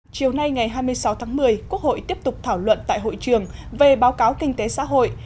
chiều nay ngày hai mươi sáu tháng một mươi quốc hội tiếp tục thảo luận tại hội trường về báo cáo kinh tế xã hội